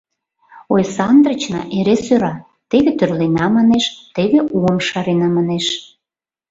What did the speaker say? — Ойсандрычна эре сӧра: теве тӧрлена, манеш, теве уым шарена, манеш...